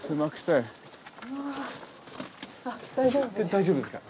大丈夫ですか？